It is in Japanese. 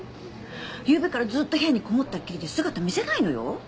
ゆうべからずっと部屋に籠もったっきりで姿見せないのよ？